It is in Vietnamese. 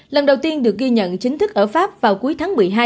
lần đầu tiên được ghi nhận chính thức ở pháp vào cuối tháng một mươi hai